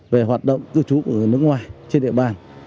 về hoạt động cư trú của người nước ngoài trên địa bàn